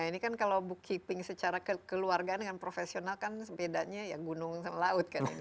ini kan kalau booking secara kekeluargaan dengan profesional kan bedanya ya gunung sama laut kan ini